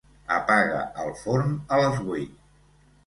Apaga el forn a les vuit.